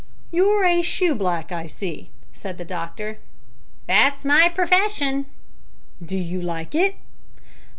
"You're a shoeblack, I see," said the doctor. "That's my purfession." "Do you like it?"